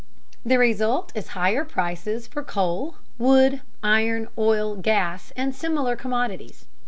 The result is higher prices for coal, wood, iron, oil, gas, and similar commodities.